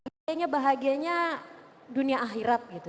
kayaknya bahagianya dunia akhirat gitu